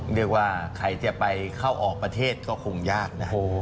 เรียกว่าใครจะไปเข้าออกประเทศก็คงยากนะ